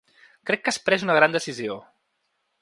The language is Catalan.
Crec que has pres una gran decisió.